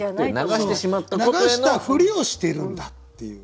流したふりをしてるんだっていう。